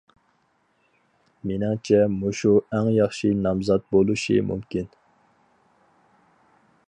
مېنىڭچە مۇشۇ ئەڭ ياخشى نامزات بولۇشى مۇمكىن.